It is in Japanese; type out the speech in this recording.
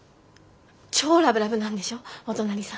超ラブラブなんでしょお隣さん。